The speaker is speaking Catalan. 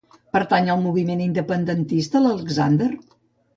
Pertany al moviment independentista l'Alexander?